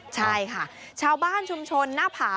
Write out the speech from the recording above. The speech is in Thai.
ใช่ค่ะชาวบ้านชุมชนหน้าผา